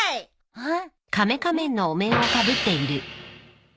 うん？